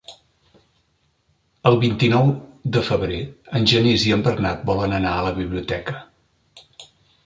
El vint-i-nou de febrer en Genís i en Bernat volen anar a la biblioteca.